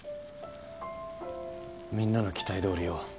みんなの期待どおりよ